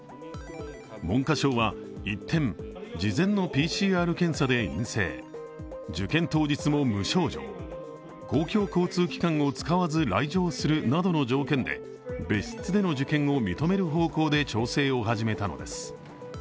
文科省は一転、事前のＰＣＲ検査で陰性、受験当日も無症状、公共交通機関を使わず来場するなどの条件で別室での受験を認める方向で調整を始めたのです。